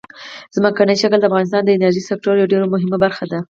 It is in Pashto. ځمکنی شکل د افغانستان د انرژۍ سکتور یوه ډېره مهمه برخه ده.